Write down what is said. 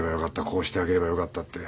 こうしてあげればよかったって。